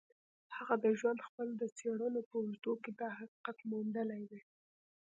هغه د خپل ژوند د څېړنو په اوږدو کې دا حقیقت موندلی دی